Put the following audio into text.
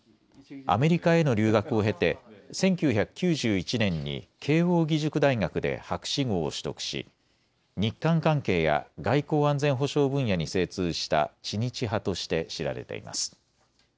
アメリカへの留学を経て１９９１年に慶應義塾大学で博士号を取得し日韓関係や外交・安全保障分野に精通した知日派として知られています。